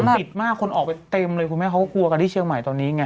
มันติดมากคนออกไปเต็มเลยคุณแม่เขาก็กลัวกันที่เชียงใหม่ตอนนี้ไง